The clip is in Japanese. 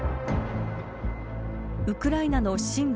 ウクライナの親